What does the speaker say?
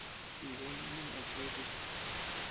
Diya jinuy neatuu kuete.